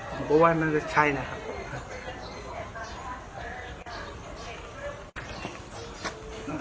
ผมก็ว่ามันก็ใช่นะครับ